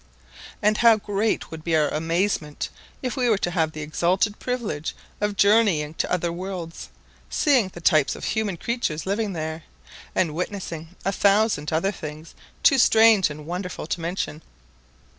And how great would be our amazement if we were to have the exalted privilege of journeying to other worlds, seeing the types of human creatures living there, and witnessing a thousand other things too strange and wonderful to mention?